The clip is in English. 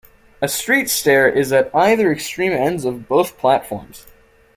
A street stair is at either extreme ends of both platforms.